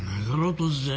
突然。